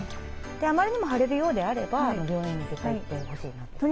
あまりにも腫れるようであれば病院に絶対行ってほしいなと。